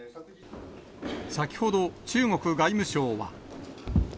先ほど、中国外務省は。